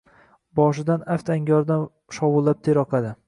Boshidan aft-angoridan shovullab ter oqadi.